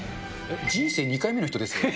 人生２回目の人ですよね？